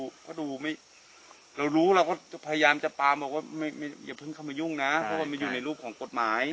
เพราะดูไม่เรารู้เราก็พยายามจะปามบอกว่าอย่าเพิ่งเข้ามายุ่งนะเพราะว่ามันอยู่ในรูปของกฎหมาย